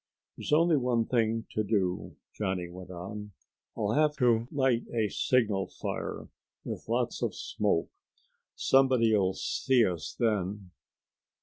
"There's only one thing to do," Johnny went on. "I'll have to light a signal fire with lots of smoke. Somebody'll see us then."